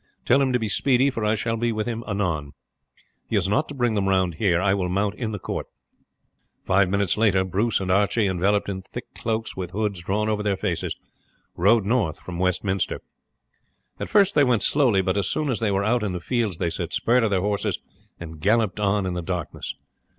Tell him to be speedy, for I shall be with him anon. He is not bring them round here. I will mount in the court." Five minutes later Bruce and Archie, enveloped in thick cloaks with hoods drawn over their faces, rode north from Westminster. At first they went slowly, but as soon as they were out in the fields they set spur to their horses and galloped on in the darkness.